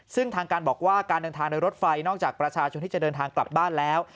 ซึ่งทางการบอกว่าการเดินทางโดยรถไฟนอกจากประชาชนที่จะเดินทางกลับบ้านแล้ว